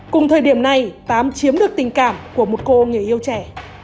cùng thời điểm này tám chiếm được tình cảm của một cô người yêu trẻ